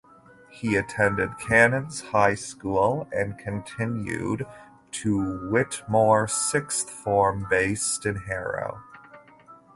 He attended Canons High School and continued to Whitmore Sixth Form based in Harrow.